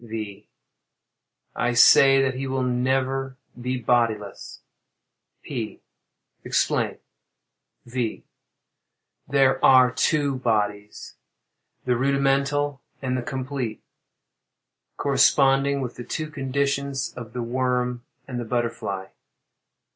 V. I say that he will never be bodiless. P. Explain. V. There are two bodies—the rudimental and the complete; corresponding with the two conditions of the worm and the butterfly.